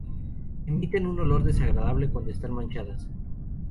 Emiten un olor desagradable cuando están machacadas.